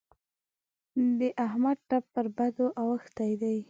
د احمد ټپ پر بدو اوښتی دی.